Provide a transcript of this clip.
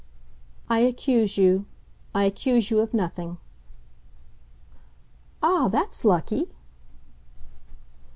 "I accuse you I accuse you of nothing." "Ah, that's lucky!"